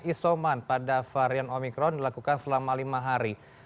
isoman pada varian omikron dilakukan selama lima hari